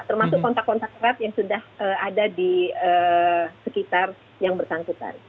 termasuk kontak kontak erat yang sudah ada di sekitar yang bersangkutan